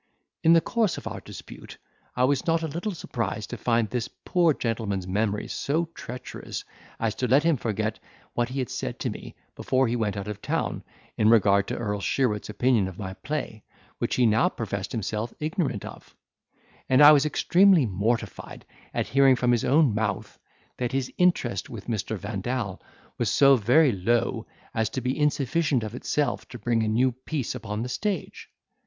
In the course of our dispute, I was not a little surprised to find this poor gentleman's memory so treacherous, as to let him forget what he had said to me, before he went out of town, in regard to Earl Sheerwit's opinion of my play, which he now professed himself ignorant of; and I was extremely mortified at hearing from his own mouth, that his interest with Mr. Vandal was so very low as to be insufficient of itself to bring a new piece upon the stage.